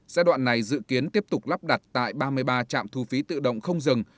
giai đoạn này dự kiến tiếp tục lắp đặt tại ba mươi ba trạm thu phí tự động không dừng